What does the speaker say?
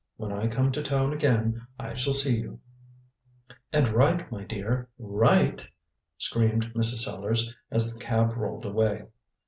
When I come to town again I shall see you." "And write, my dear, write," screamed Mrs. Sellars, as the cab rolled away.